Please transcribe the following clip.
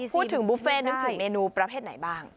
พูดถึงบุฟเฟ่นึกถึงเมนูประเภทไหนบ้าง